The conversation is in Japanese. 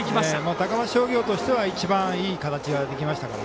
高松商業としては一番いい形ができました。